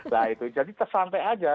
nah itu jadi tersantai aja